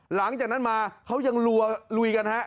หลังจากนั้นมาเขายังรัวลุยกันฮะ